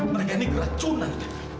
mereka ini keracunan